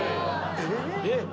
えっ？